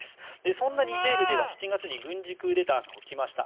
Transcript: そんなニジェールでは７月に軍事クーデターが起きました。